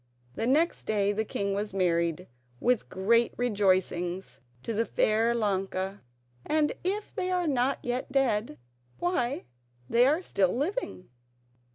The next day the king was married, with great rejoicings, to the fair Ilonka; and if they are not yet dead—why, they are still living.